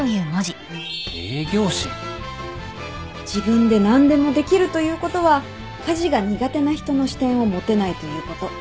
自分で何でもできるということは家事が苦手な人の視点を持てないということ。